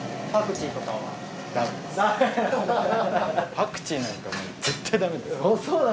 パクチーなんかもう絶対ダメです。